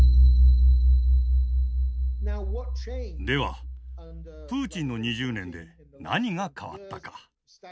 では、プーチンの２０年で何が変わったか。